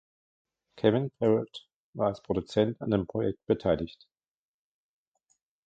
Kevin Parrott war als Produzent an dem Projekt beteiligt.